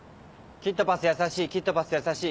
キットパスやさしいキットパスやさしい。